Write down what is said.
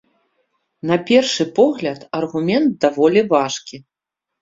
На першы погляд, аргумент даволі важкі.